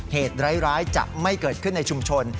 เหตุร้ายจะไม่เกิดขึ้นในชุมชน